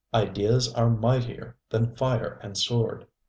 Ideas are mightier than fire and sword.